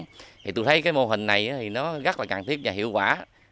thì tôi thấy cái mô hình này thì nó rất là cần thiết và hiệu quả